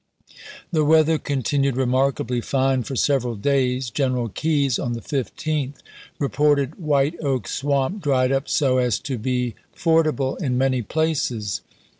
The weather continued remarkably fine for several days; General Keyes on the 15th re ported White Oak Swamp dried up so as to be ford p. m able in many places.